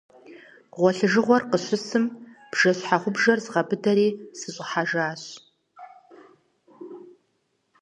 Гъуэлъыжыгъуэр къыщысым, бжэщхьэгъубжэр згъэбыдэжри сыщӏыхьэжащ.